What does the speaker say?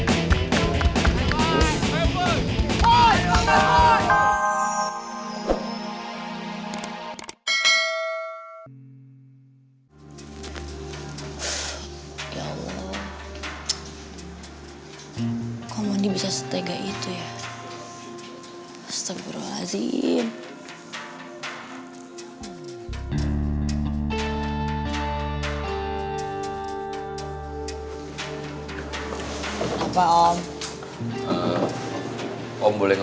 om boleh ngomong sebentar sama neng